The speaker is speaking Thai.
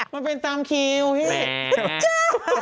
มันเป็นตามคิวพี่